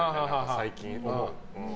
最近思う。